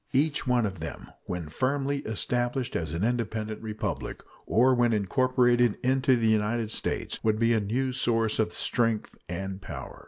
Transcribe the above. Each one of them, when firmly established as an independent republic, or when incorporated into the United States, would be a new source of strength and power.